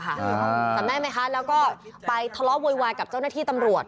จำได้ไหมคะแล้วก็ไปทะเลาะโวยวายกับเจ้าหน้าที่ตำรวจ